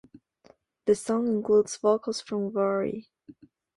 The song includes vocals from Vory.